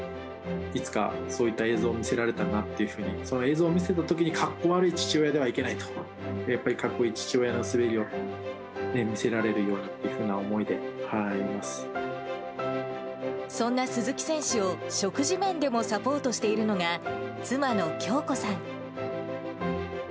いつか、そういった映像を見せられたなっていうふうに、その映像を見せたときに、かっこ悪い父親ではいけないと、やっぱりかっこいい父親の滑りを見せられるようなというふうな思そんな鈴木選手を、食事面でもサポートしているのが、妻の響子さん。